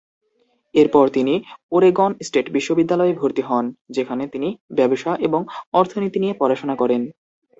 এরপর তিনি Oregon State বিশ্ববিদ্যালয়ে ভর্তি হন, যেখানে তিনি ব্যবসা এবং অর্থনীতি নিয়ে পড়াশোনা করেন।